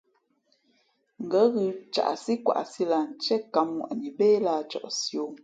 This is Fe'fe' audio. Ngα̌ ghʉ̌ caꞌsí kwaʼsi lah ntié kǎm ŋwαꞌni bé lǎh cαꞌsi ō.